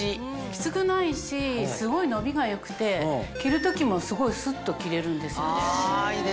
きつくないしすごい伸びが良くて着る時もすごいスッと着れるんですよね。